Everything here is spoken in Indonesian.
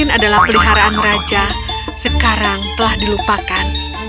yang itu adalah peliharaan raja sekarang telah dilupakan